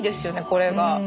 これが。